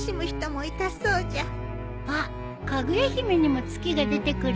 あっ『かぐや姫』にも月が出てくるよね。